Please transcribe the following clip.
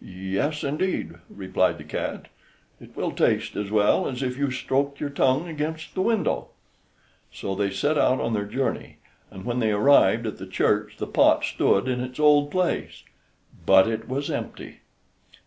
"Yes, indeed," replied the cat; "it will taste as well as if you stroked your tongue against the window." So they set out on their journey, and when they arrived at the church the pot stood in its old place but it was empty!